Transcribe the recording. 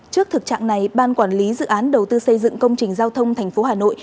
trước thực trạng này ban quản lý dự án đầu tư xây dựng công trình giao thông thành phố hà nội